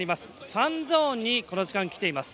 ファンゾーンにこの時間、来ています。